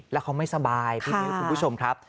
แล้วเขาไม่สบายคุณผู้ชมครับ